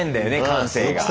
感性が。